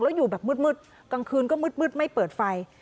แล้วอยู่แบบมืดกลางคืนก็มืดไม่เปิดไฟ